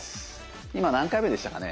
今何回目でしたかね？